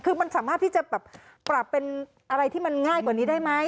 คือมันสามารถที่จะแบบปรับเป็นอะไรที่มันง่ายกว่านี้ได้ไหม